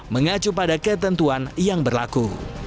mengacu pada ketentuan yang berlaku